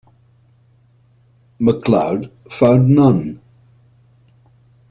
McLeod found none.